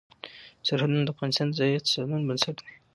سرحدونه د افغانستان د ځایي اقتصادونو بنسټ دی.